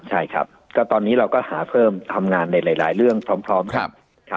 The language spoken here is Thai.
ใช่ครับก็ตอนนี้เราก็หาเพิ่มทำงานในหลายเรื่องพร้อมกันครับ